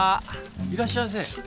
いらっしゃいませ。